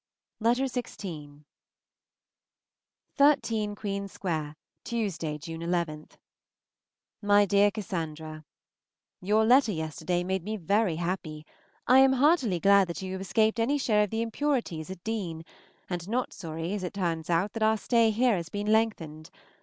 Miss AUSTEN, Steventon. XVI. 13 QUEEN SQUARE, Tuesday (June 11). MY DEAR CASSANDRA, Your letter yesterday made me very happy. I am heartily glad that you have escaped any share in the impurities of Deane, and not sorry, as it turns out, that our stay here has been lengthened.